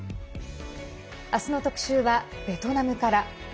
あすの特集は、ベトナムから。